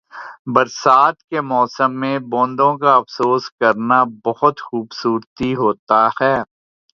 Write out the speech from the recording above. برسات کے موسم میں بوندوں کا افسوس کرنا بہت خوبصورتی ہوتا ہے۔